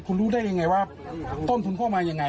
คุณรู้ได้ยังไงว่าต้นทุนเข้ามายังไง